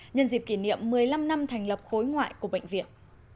nhân dịp kỷ niệm một mươi năm năm thành lập khối ngoại của bệnh viện